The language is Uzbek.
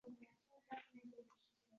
Mijoz buzilishi xastalikdan darakchidir.